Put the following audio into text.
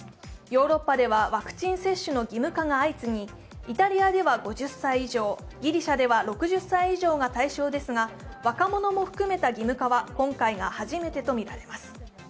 ヨーロッパではワクチン接種の義務化が相次ぎイタリアでは５０歳以上、ギリシャでは６０歳以上が対象ですが若者も含めた義務化は今回が初めてとみられます。